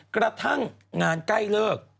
กระทั่งงานใกล้เลิก